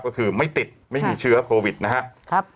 ก็คือไม่ติดไม่มีเชื้อโควิดนะครับ